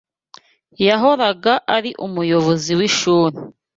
Yahoraga ari umuyobozi w'ishuri.